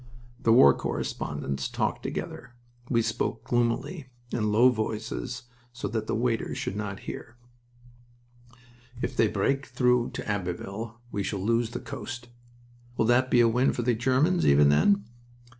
The war correspondents talked together. We spoke gloomily, in low voices, so that the waiters should not hear. "If they break through to Abbeville we shall lose the coast." "Will that be a win for the Germans, even then?"